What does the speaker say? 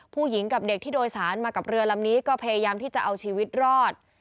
ผู้หญิงกับเด็กที่โดยสารมากับเรือลำนี้ก็พยายามที่จะเอาชีวิตรอด